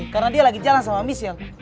karena dia lagi jalan sama michelle